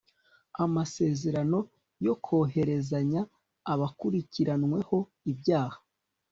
amasezerano yo koherezanya abakurikiranweho ibyaha